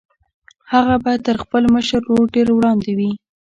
هغه به تر خپل مشر ورور ډېر وړاندې وي